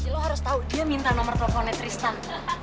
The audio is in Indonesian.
lo harus tau dia minta nomer perempuannya tristan